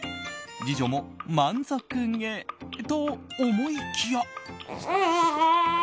次女も満足げと思いきや。